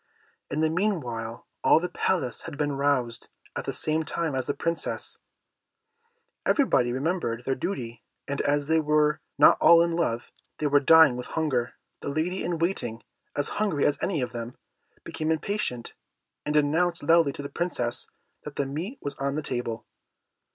In the meanwhile, all the Palace had been roused at the same time as the Princess. Everybody remembered their duty, and, as they were not all in love, they were dying with hunger. The lady in waiting, as hungry as any of them, became impatient, and announced loudly to the Princess that the meat was on the table.